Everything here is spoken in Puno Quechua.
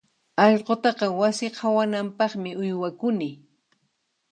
Allqutaqa wasi qhawanampaqmi uywakuni.